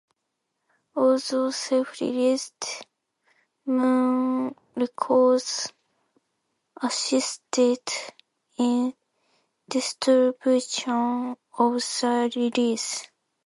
Although self-released, Moon Records assisted in distribution of the release.